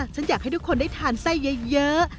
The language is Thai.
ฉันอยากให้ทุกคนได้ทานไส้เยอะ